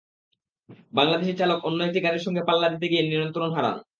বাংলাদেশি চালক অন্য একটি গাড়ির সঙ্গে পাল্লা দিতে গিয়ে নিয়ন্ত্রণ হারান।